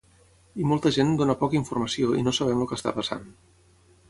I molta gent dona poca informació i no sabem el que està passant.